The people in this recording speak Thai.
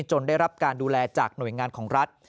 ได้รับการดูแลจากหน่วยงานของรัฐ